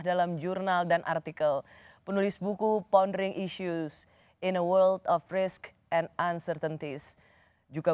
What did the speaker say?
dalam jurnal dan artikel penulis buku poundering issues in a world of risk and uncertainties juga